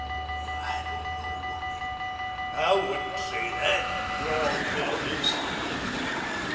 "Oh, I don't know. I wouldn't say that," drawled Bill insolently.